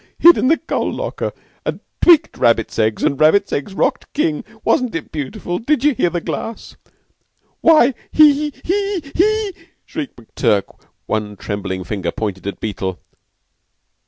Hid in the coal locker and tweaked Rabbits Eggs and Rabbits Eggs rocked King. Wasn't it beautiful? Did you hear the glass?" "Why, he he he," shrieked McTurk, one trembling finger pointed at Beetle.